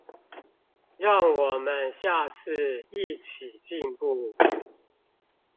讓我們下次一起進步